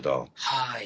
はい。